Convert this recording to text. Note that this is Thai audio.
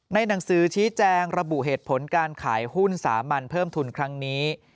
หนังสือชี้แจงระบุเหตุผลการขายหุ้นสามัญเพิ่มทุนครั้งนี้